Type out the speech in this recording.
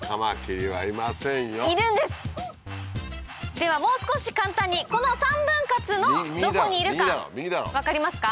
ではもう少し簡単にこの３分割のどこにいるか分かりますか？